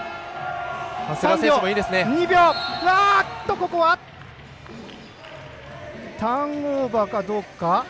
ここは、ターンオーバーかどうか。